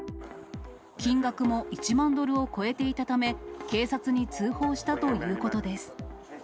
金額も１万ドルを超えていたため、警察に通報したということです。